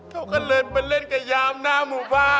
เขาก็เลยไปเล่นกับยามหน้าหมู่บ้าน